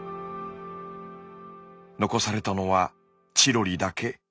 残されたのはチロリだけ。